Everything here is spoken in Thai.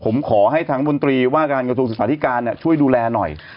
ผมขอให้ทางมนตรีว่าการกระทรวงศึกษาธิการช่วยดูแลหน่อย